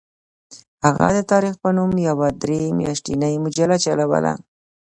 هغه د تاریخ په نوم یوه درې میاشتنۍ مجله چلوله.